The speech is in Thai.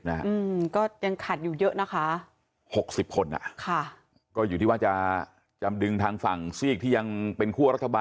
แต่ว่าจริงจันว่าการพูดคุยกันยังไม่ไปไกลถึงทางนั้นนะครับ